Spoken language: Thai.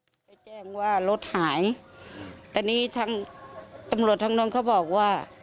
ไปแจ้งว่ารถหายแต่นี่ตำรวจทั้งนั้นเขาบอกว่า